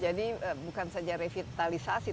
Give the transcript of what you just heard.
jadi bukan saja revitalisasi